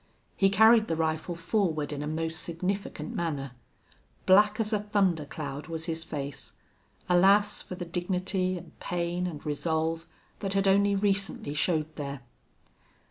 He carried the rifle forward in a most significant manner. Black as a thunder cloud was his face. Alas for the dignity and pain and resolve that had only recently showed there!